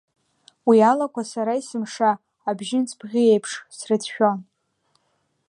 Уи алақәа сара есымша абжьынҵ бӷьы еиԥш срыцәшәон…